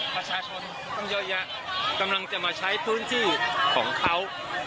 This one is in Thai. ประชาชนต้องเยอะแยะกำลังจะมาใช้พื้นที่ของเขา